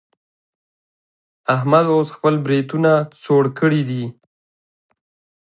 احمد اوس خپل برېتونه څوړ کړي دي.